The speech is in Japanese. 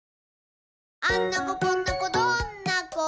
「あんな子こんな子どんな子？